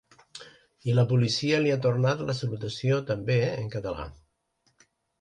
I la policia li ha tornat la salutació també en català.